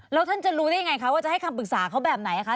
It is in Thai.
แล้วท่านจะรู้ได้ยังไงคะว่าจะให้คำปรึกษาเขาแบบไหนคะ